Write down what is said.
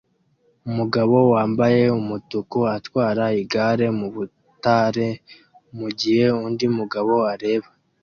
Umugabo wambaye umutuku atwara igare mu butare mu gihe undi mugabo areba